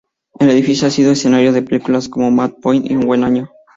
El edificio ha sido escenario de películas como Match Point y Un buen año.